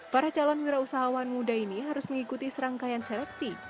para calon wira usahawan muda ini harus mengikuti serangkaian seleksi